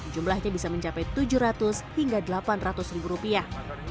jumlahnya bisa mencapai tujuh ratus hingga delapan ratus ribu rupiah